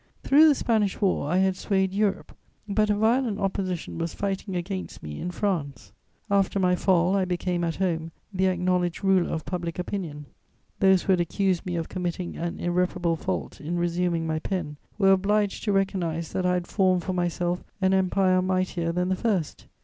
Through the Spanish War, I had swayed Europe; but a violent opposition was fighting against me in France. After my fall, I became, at home, the acknowledged ruler of public opinion. Those who had accused me of committing an irreparable fault in resuming my pen were obliged to recognise that I had formed for myself an empire mightier than the first.